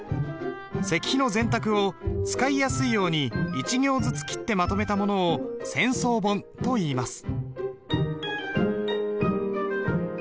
石碑の全拓を使いやすいように１行ずつ切ってまとめたものを剪装本といいます。